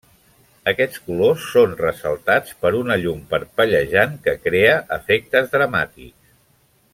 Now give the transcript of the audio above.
Aquests colors són ressaltats per una llum parpellejant que crea efectes dramàtics.